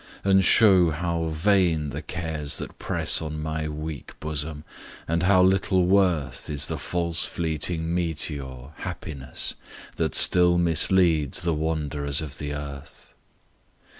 and show how vain the cares that press On my weak bosom and how little worth Is the false fleeting meteor, Happiness, That still misleads the wanderers of the earth!